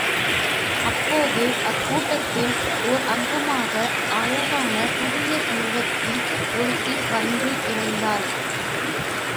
அப்போது, அக் கூட்டத்தில் ஒர் அங்கமாக அழகான புதிய யுவதி ஒருத்தி வந்து இணைந்தாள்.